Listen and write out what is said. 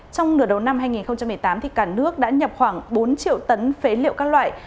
trong nửa đầu năm hai nghìn một mươi tám cả nước đã nhập khoảng bốn triệu tấn phế liệu các loại